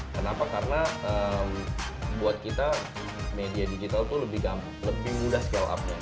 kenapa karena buat kita media digital itu lebih mudah scall up nya